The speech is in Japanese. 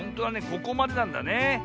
ここまでなんだねえ。